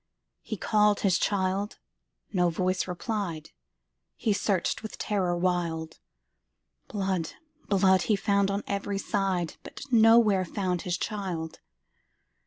He called his child,—no voice replied,—He searched with terror wild; Blood, blood, he found on every side, But nowhere found his child.